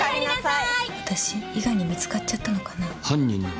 私、伊賀に見つかっちゃったのかな。